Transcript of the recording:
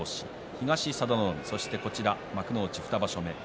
東、佐田の海、こちらは幕内２場所目。